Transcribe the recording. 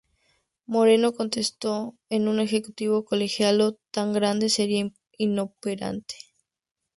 Moreno contestó que un ejecutivo colegiado tan grande sería inoperante.